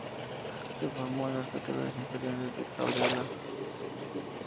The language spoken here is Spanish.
Se formó en las categorías inferiores de Cobreloa.